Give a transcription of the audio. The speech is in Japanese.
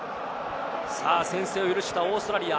先制を許したオーストラリア。